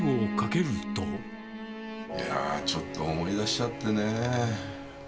いやぁ、ちょっと思い出しちゃってね。